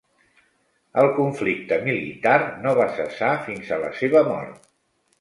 El conflicte militar no va cessar fins a la seva mort.